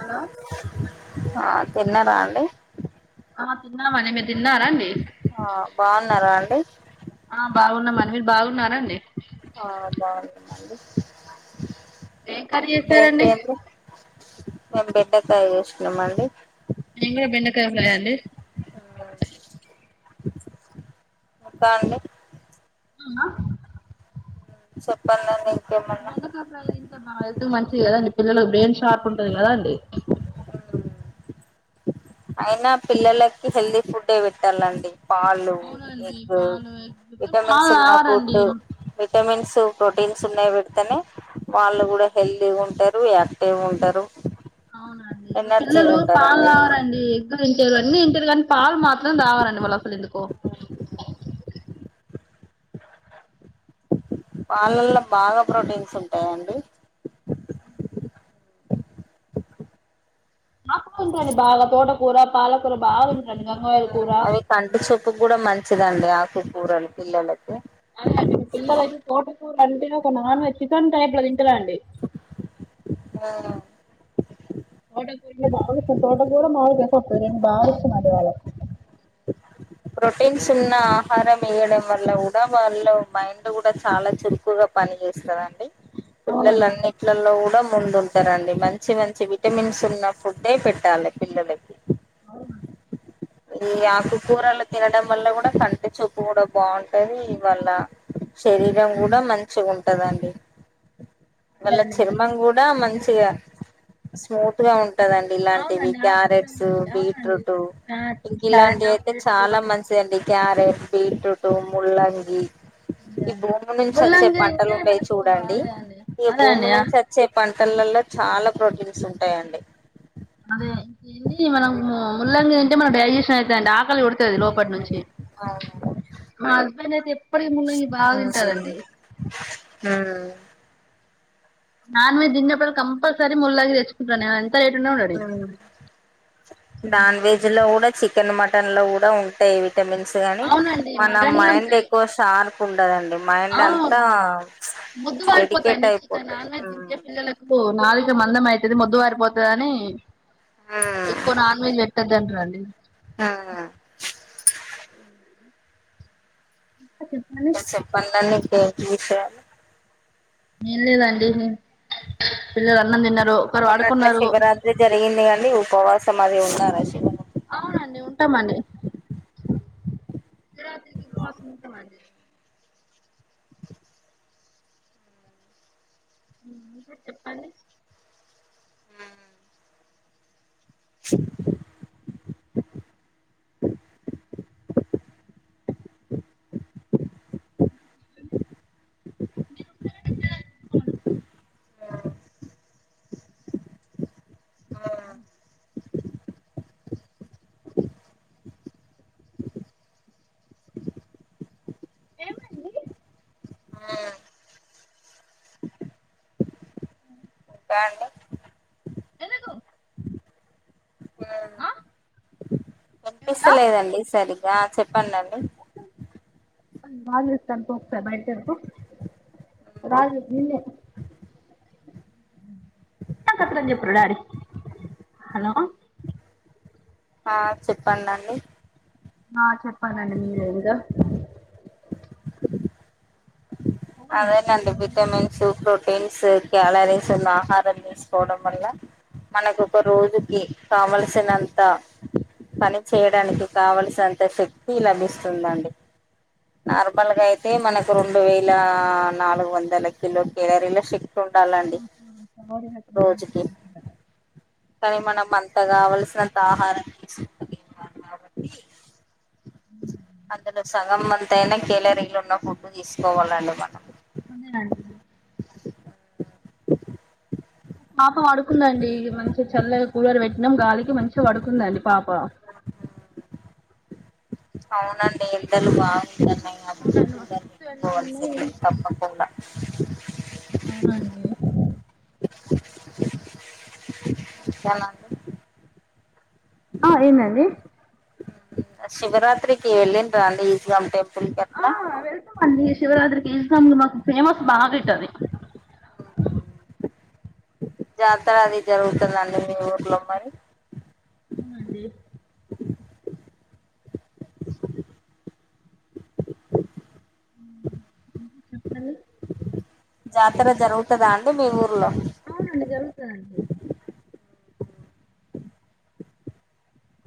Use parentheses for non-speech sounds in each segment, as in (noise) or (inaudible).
Hello ఆ తిన్నారా అండి ఆ తిన్నామని మీరు తిన్నారా అండి ఆ బాగున్నారా అండి ఆ బాగున్నాం అండి మీరు బాగున్నారా అండి ఆ బాగున్నాం అండి ఏం కర్రీ చేసారండి మేం బెండకాయ చేసినాం అండి మేం కూడా బెండకాయ ఫ్రై అండి ఇంకా అండి అవునా చెప్పండి అండి బెండకాయ్ ఫ్రై ఇంట్లో బాగ్ (unintelligible) హెల్త్ కి మంచి కదా అండి పిల్లలకు బ్రెయిన్ షార్ప్ ఉంటది కదా అండి అయినా పిల్లలకి హెల్దీ ఫుడ్డే పెట్టల్ల అండి పాలు అవునండి ఎగ్ పాలు ఎగ్ విటమిన్స్ పాలు ఉన్న తాగరండి ఫుడ్ విటమిన్స్ ప్రోటీన్స్ ఉన్నవి పెడితేనే వాళ్ళు గూడా హెల్తీగా ఉంటారు యాక్టివ్ గా ఉంటారు అవునా అండి ఇవ్వుడు ఎనర్జీగా పిల్లలు పాలు ఉంటారండి తాగరండి (unintelligible) ఇంటరు గాని పాలు మాత్రం తాగరండి వాళ్లు అసలు ఎందుకొ పో పాలల్లో బాగా ప్రోటీన్స్ ఉంటాయండి నాకు ఉందండి బాగా తోటకూర పాలకు అవి కంటి చూపు కూడా మంచిది దండి ఆకుకూరలు పిల్లలకి. అదే అండి ఇంగ పిల్లలైతే తోటకురలు అంటేనే ఒక నాన్ వెెజ్ చెకెన్ టైప్ లో తిం కదా అండి తోట కూరలే బాగొస్తాయి తోట కూర మామొలుగ (unintelligible) మరి వాళ్ళ కోసం ప్రోటీన్స్ ఉన్న ఆహారం ఏయడం వల్ల కూడా వాళ్ళు మైండ్ గూడా చాలా చురుకుగా పని చేేస్తుంది అండి పిల్లలు అవునండి అన్నింట్లలలో గూడ్ అన్నిటిలో ముందు ఉంటారు అండి మంచి మంచి విటమిన్స్ ఉన్న ఫుడ్డే పెట్టాలి పిల్లలకి అవునా ఈ ఆకుకూరలు తినడం వల్ల కుడా కంటి చూపు కూడా బాగుంటది, ఇవ్వాళ్ళ శరీరం గుడా మంచిగా ఉంటు టదండి మళ్ళ చర్మం కూడా మంచి గా స్మూత్ గా ఉంట్ ఉంటదండి ఇలాంటివి, క్యారెట్స్ బీట్రూట్ ఇంక ఇలాంటి అయితే చాలా మంచిదండి క్యారేట్ బీట్రూట్ ముల్లంగి. ఈ భూమి నుంచి వచ్చే ముల్లంగి పంటలు తింటే ఉంటాయి మనకు చూడండి, అదే అండి ఈ అదే అండి భూమి నుంచి వచ్చే పంటలల్లో చాలా ప్రోటీన్స్ ఉంటాయండి. అదే (unintelligible) ఉడుతుది లోపటి నుంచి అహ్ నేనే చెప్ ఉహు హ్మ్ నాన్ వెజ్ తిన్నప్పుడు కంపల్సరి ముల్లంగి తెచ్చుకుంట నే నాన్ వెజ్ లో కూడా చికెన్ మటన్ టన్ లో కూడా ఉంటయి ఇవి. విటమిన్స్ గని మన మైండ్ ఎక్కువ షార్ప్ ఉంటదండి మైండ్ అంతా మొద్దు డెడికేట్ వారిపోతాండి చికెన్ అయిపోతది నాన్ వెజ్ తింటే ఉమ్. పిల్లలకు నాలుక మందం ఐత, ది మొద్దు వారి పోతదని. ఎక్కువ నాన్ వెజ్ పెట్టద్దంటరండి. అ ఆ చెప్పండి దా నీక (unintelligible) విశాల ఏం లేదండి పిల్లలు అన్నం తిన్నర్ మన్నట్ల శివరాత్రి జరిగింది గని. ఉపవాసం మది ఉన్నార శివరాత్రి అవునండి ఉంటమండి, శివరాత్రికి ఉపవాసం ఉంటమండి. ఇంకా చెప్పాలి. ఉమ్ (unintelligible) అ ఏమండీ ఆ అ యాడ ఉండవ్ ఎందుకు ఏమన్నా కనిపిస్తలేదండి సరి ఆ చెప్పడండి రాజస్ తంతతా బత రాజ ని కత్కం చెప్పు్ర డాార హలో (unintelligible) ఆ చెప్పండండి ఆ చెప్ప చెప్పాలండి మీరే అదేనండి విటమిన్స్ ప్రోటీన్స్ క్యాలరీస్ ఉన్న ఆహారం తీసుకోవడం వల్ల మనకు ఒక రోజుకి కావలసినంత పని చేయడానికి కావలసినంత శక్తి లభిస్తుందండి నార్మల్గా అయితే మనకు రెండు వేలు ఇలా నాలుగు వందల కిలో కేలరిలా శక్ ఉండాలండి రోజుకి కానీ మనం అంత కావాల్సినంత ఆహారం తీసుకోలేము కాబట్టి అందులో సగం ఎత్తయినా క్యాలరీలు ఉన్న ఫుడ్డు తీసుకోవాలండి మనం పాప పడుకుందండి మంచిగా చల్లగా కూలర్ పెట్టి చినం గాలికి మంచిగా పడుకుందండి పాప అవునండి ఎండలు బాగు ఆవునండి మస్తు ఎండలు ఉన్నయి తప్పకుండా చాల (unintelligible) ఆ ఏందండి శివరాత్రికి వెళిండ్ర అండి ఈజగమ్ టెంపుల్ కి ఆ అట్లా వెల్కమ్ అండి శివరాత్రికి ఫేమస్ బాగా ఇట్టది జాతర అది జరుగుతుందండి మీ ఊట్లో మరి అవునండి చెప్పండి జాతర జరుగుతుదా అండి మీ ఊర్లో అవునండి జరుగు అ (unintelligible)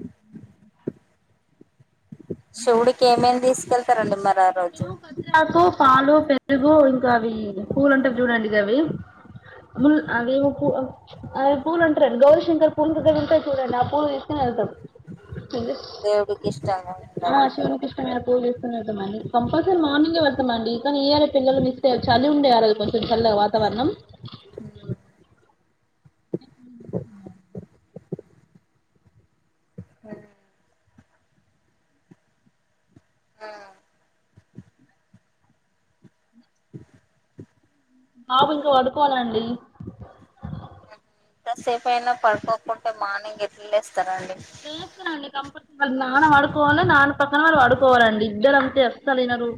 అ శివుడికి ఏమేమి తీసుకెళ్తారండి మరి ఆ రోజు తెలుగు ఇంకా అవి పూలు అంటేవి చూడండి అవి మ అవి అది పూలుంటారండి గౌరీశంకర్ పూలుక్గడ ఉంటే చూడండి ఆ పూలు తీసుకుని వెళ్తాం దేవుడికి ఇష్టంగా ఆ ఉండదు శివుని కృష్ణమే పోలీ మ కంపల్స మార్నింగ్ మడి ఈయల పిల్లలు మిస్ అయ్యు చలి ఉండేవారు అది కొంచెం చల్లగా వాతావరణం ఆ హమ్ ఆవుకి వాడు పోలాండి తసే పైనా పడపకుంటే మానే గలేస్త నేస్త అండి కంపల్ నాన అడుకోల నా పక్కన వాళ్ళు వాడుకోవాలండి ఇద్దరుంతా ఎస్తాలనరు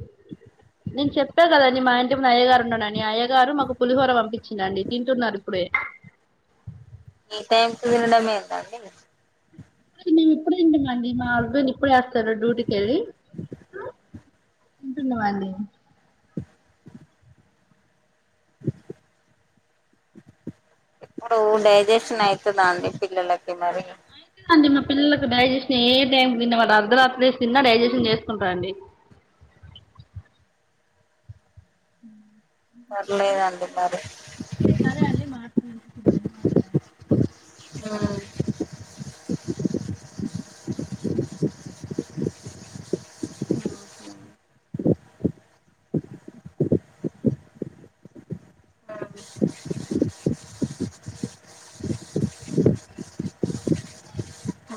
నేను చెప్పా కదండి మా ఇంటి ము అయ్యగారు ఉండనని అయ్యగారు మాకు పులిహోర పంపించిందిండి తింటున్నారు ఇప్పుడే ఈ టైమ్ కు దిన డమ ఎంతా అండి విప్పుడ ఏడి మండి మా అల్బాన్ ఇప్పుడు వేస్తారు డ్యూటీకి వెళ్ళి ఉంటున్న వాళ్ళి ఇప్పుడు డైజెషన్ అవుతుంద అండి పిల్లలకి ఎన్నరి అంటే మా పిల్లలకు డైజెస్న్ ఏదై న్న మ అర్ధరాత్రి సిన్న డజ చేసుకుంటా అండి ఉ పర్లేదండి మరి ఆ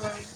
మరి